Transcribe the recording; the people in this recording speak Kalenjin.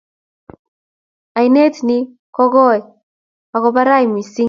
ainet nin ko koi ak ko barai mising